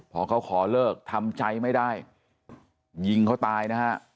พอเขาขอเลิกทำใจไม่ได้ยิงเขาตายนะฮะ